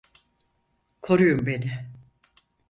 Koruyun beni!